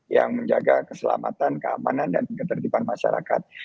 yang menjaga keselamatan keamanan dan ketertiban masyarakat